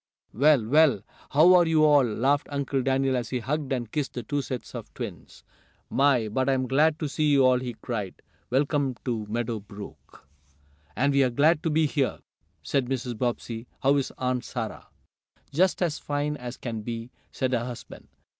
"Well, well! How are you all!" laughed Uncle Daniel as he hugged and kissed the two sets of twins. "My, but I'm glad to see you all!" he cried. "Welcome to Meadow Brook!" "And we're glad to be here!" said Mrs. Bobbsey. "How is Aunt Sarah?" "Just as fine as can be!" said her husband.